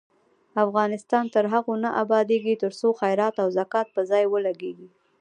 افغانستان تر هغو نه ابادیږي، ترڅو خیرات او زکات په ځای ولګیږي.